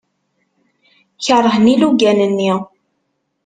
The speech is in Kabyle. Keṛhen ilugan-nni.